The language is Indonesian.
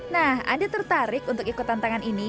nah anda tertarik untuk ikut tantangan ini